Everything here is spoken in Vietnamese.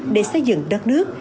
để xây dựng đất nước